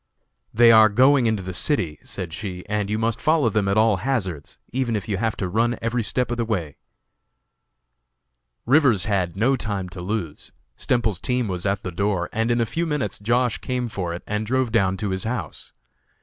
"They are going into the city," said she, "and you must follow them at all hazards, even if you have to run every step of the way." Rivers had no time to lose. Stemples's team was at the door, and in a few minutes Josh. came for it and drove down to his house.